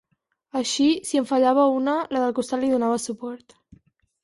Així, si en fallava una, la del costat li donava suport.